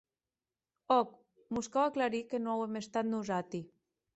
Òc, mos cau aclarir que non auem estat nosati.